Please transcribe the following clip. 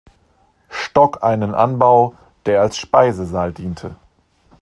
Stock einen Anbau, der als Speisesaal diente.